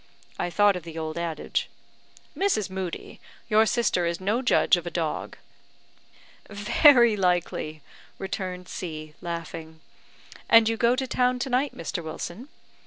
(I thought of the old adage.) "Mrs. Moodie, your sister is no judge of a dog." "Very likely," returned C , laughing. "And you go to town to night, Mr. Wilson?